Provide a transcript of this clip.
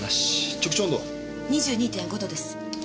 ２２．５度です。